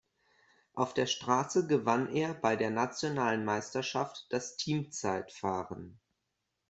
Auf der Straße gewann er bei der nationalen Meisterschaft das Teamzeitfahren.